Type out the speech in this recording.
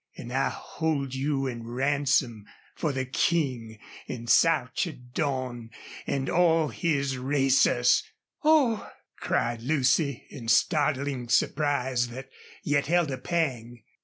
An' I'll hold you in ransom for the King an' Sarchedon an' all his racers!" "Oh!" cried Lucy, in startling surprise that yet held a pang.